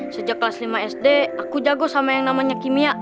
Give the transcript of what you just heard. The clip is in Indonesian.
sejak kelas lima sd aku jago sama yang namanya kimia